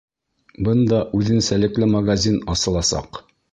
Бында үҙенсәлекле магазин асыласаҡ.